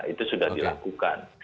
itu sudah dilakukan